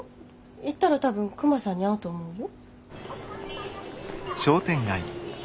行ったら多分クマさんに会うと思うよ。